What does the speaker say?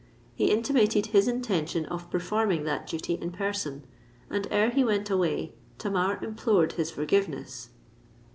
He intimated his intention of performing that duty in person; and ere he went away, Tamar implored his forgiveness.